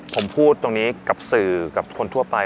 ผมพูดตรงนี้กับสื่อกับคนทั่วไป